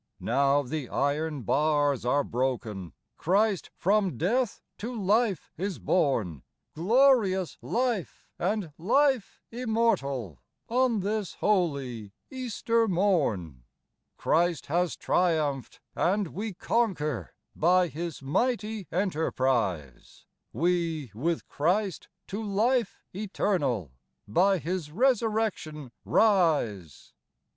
Now the iron bars are broken : Christ from death to life is born, Glorious life and life immortal, On this holy Easter morn. Christ has triumphed, and we conquer By His mighty enterprise ■ We, with Christ to life eternal, By His resurrection rise.